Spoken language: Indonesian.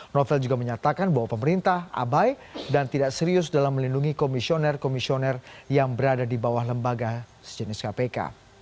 novel juga menyatakan bahwa pemerintah abai dan tidak serius dalam melindungi komisioner komisioner yang berada di bawah lembaga sejenis kpk